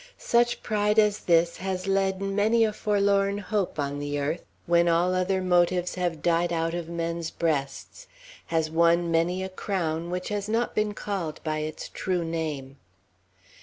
Such pride as this has led many a forlorn hope, on the earth, when all other motives have died out of men's breasts; has won many a crown, which has not been called by its true name.